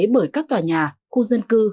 bởi các tòa nhà khu dân cư